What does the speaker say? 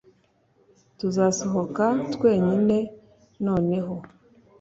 tuzasohoka twenyine noneho,